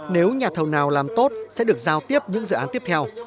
nếu nhà thầu nào làm tốt sẽ được giao tiếp những dự án tiếp theo